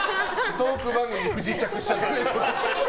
トーク番組に不時着しちゃった。